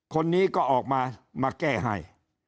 คนนี้ก็ออกมามาแก้ให้